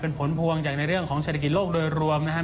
เป็นผลพวงจากในเรื่องของเศรษฐกิจโลกโดยรวมนะครับ